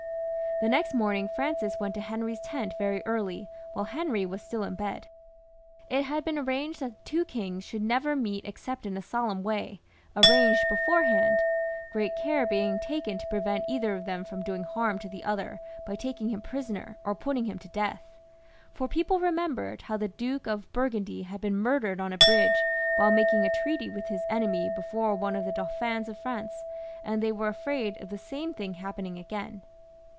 The next morning Francis went to Henry's tent very early, while Henry was still in bed. It had been arranged that the two kings should never meet except in a solemn way, arranged beforehand, great care being taken to prevent either of them from doing harm to the other by taking him prisoner or putting him to death ; for people remembered how the Duke of Burgundy had been murdered on a bridge 248 FRANCIS I. [CH. while making a treaty with his enemy before one of the Dauphins of France, and they were afraid of the same thing happening again.